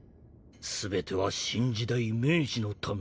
全ては新時代明治のため。